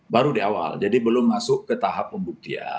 baru di awal jadi belum masuk ke tahap pembuktian